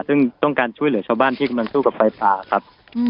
ซึ่งต้องการช่วยเหลือชาวบ้านที่กำลังสู้กับไฟป่าครับ